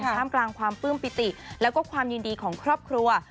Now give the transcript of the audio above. ท่ามกลางความปลื้มปิติแล้วก็ความยินดีของครอบครัว